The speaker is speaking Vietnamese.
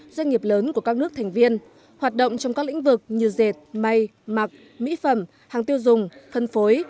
doanh nghiệp lớn của các nước thành viên hoạt động trong các lĩnh vực như dệt may mặc mỹ phẩm hàng tiêu dùng phân phối